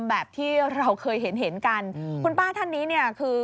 แบบที่เราเคยเห็นกันคุณป้าท่านนี้คือ